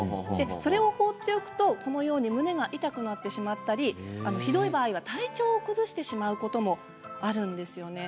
それを放っておくと胸が痛くなってしまったりひどい場合は体調を崩してしまうこともあるんですよね。